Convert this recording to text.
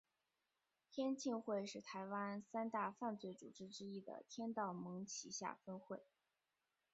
天庆会是台湾三大犯罪组织之一天道盟旗下分会。